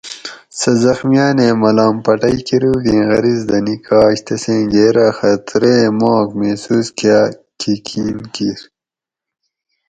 سہ زخمیانیں ملام پٹئ کۤروگیں غرض دہ نکاش تسیں گیرہ خطریں ماک محسوس کاۤ کھی کین کیِر